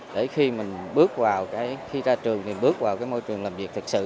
để khi mình bước vào khi ra trường thì bước vào cái môi trường làm việc thật sự